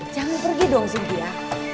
jangan pergi dong sintia